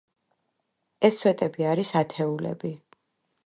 ეს სვეტები არის ათეულები.